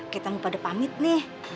kita mau pada pamit nih